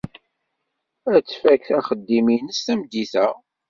Ad tfak axeddim-nnes tameddit-a.